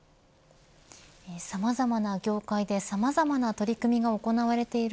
さまざまな業界でさまざまな取り組みが行われている